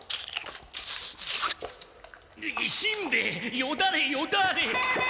しんべヱよだれよだれ！